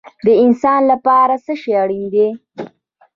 د انسان لپاره څه شی اړین دی؟